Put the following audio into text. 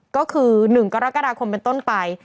ก็คือ๑กรกฎาคมเป็นต้นไป